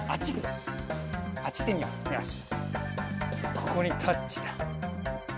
ここにタッチだ。